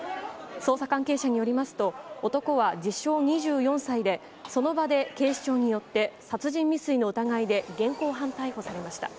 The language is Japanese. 捜査関係者によりますと、男は自称２４歳で、その場で警視庁によって殺人未遂の疑いで現行犯逮捕されました。